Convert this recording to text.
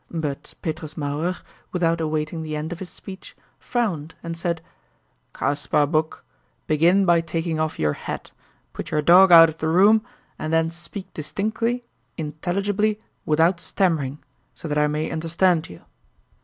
But Petrus Mauerer, without awaiting the end of his speech, frowned and said: "Kasper Boeck, begin by taking off your hat, put your dog out of the room, and then speak distinctly, intelligibly, without stammering, so that I may understand you."